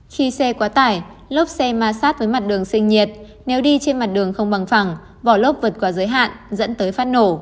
khi xe quá tải lốp xe ma sát với mặt đường sinh nhiệt nếu đi trên mặt đường không bằng phẳng vỏ lốp vượt qua giới hạn dẫn tới phát nổ